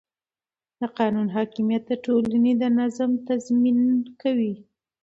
د قانون حاکمیت د ټولنې د نظم تضمین کوي